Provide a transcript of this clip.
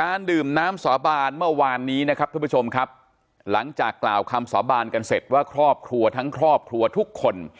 การดื่มน้ำสาบานเมื่อวานนี้นะครับท่านผู้ชมครับหลังจากกล่าวคำสาบานกันเสร็จว่าครอบครัวทั้งครอบครัวทุกคน